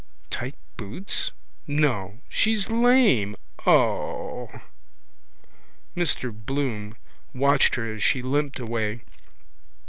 Tight boots? No. She's lame! O! Mr Bloom watched her as she limped away.